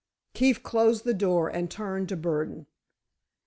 Keefe closed the door and turned to Burdon.